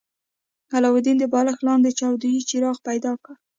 علاوالدین د بالښت لاندې جادويي څراغ پیدا کړ.